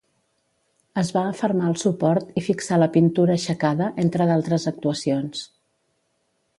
Es va afermar el suport i fixar la pintura aixecada, entre d'altres actuacions.